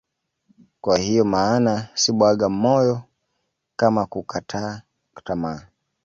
Kwa hiyo maana si bwaga moyo kama kukataa tamaa